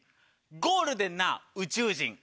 ゴールデンな宇宙人。